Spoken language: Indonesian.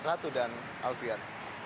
itu dan alfian